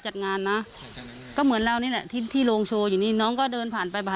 ประหลาดนิดสินะฮะ